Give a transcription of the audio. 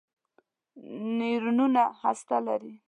نیورونونه هسته لري.